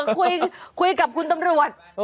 คุยกับคุณตำรวจ